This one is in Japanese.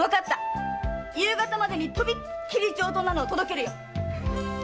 夕方までにとびっきり上等なのを届けるよ。